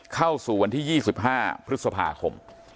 เข้าสู่วันที่๒๕พฤษภาคม